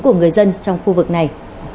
của người dân trong khu vực này